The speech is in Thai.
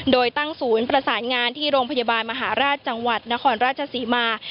โดยตั้งศูนย์ประสานงานที่โรงพยาบาลมหาราชจังหวัดนครราชศรีมา